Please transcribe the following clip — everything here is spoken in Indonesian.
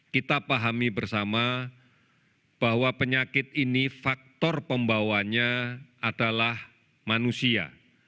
kita pahami bersama bahwa penyakit ini faktor pembawanya adalah manusia